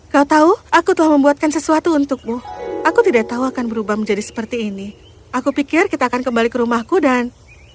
kau tahu aku telah membuatkan sesuatu untukmu aku tidak tahu akan berubah menjadi seperti ini aku pikir kita akan kembali ke rumahku dan